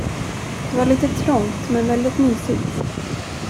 Det var lite trångt men väldigt mysigt.